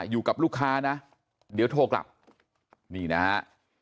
อยู่กับลูกค้านะเดี๋ยวโทรกลับนี่นะฮะ